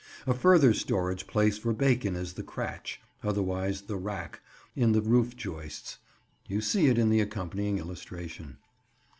A further storage place for bacon is the cratch (otherwise the "rack") in the roof joists. You see it in the accompanying illustration.